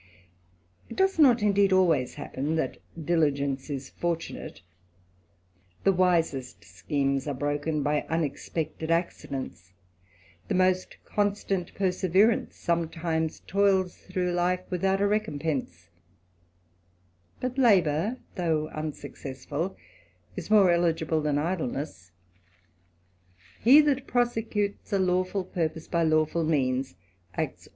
It does not, indeed, always happen, that diligence is fortunate ; the wisest schemes are broken by unexpected ^dents ; the most constant perseverance sometimes toils ^ngh life without a recompense; but labour, though Unsuccessful, is more eligible than idleness; he that Prosecutes a lawful purpose by lawful means, acts.